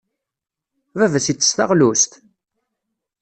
Baba-s ittess taɣlust?